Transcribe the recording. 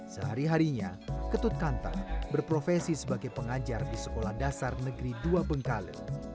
sehari harinya ketut kanta berprofesi sebagai pengajar di sekolah dasar negeri dua bengkale